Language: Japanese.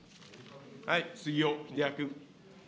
杉尾秀哉君。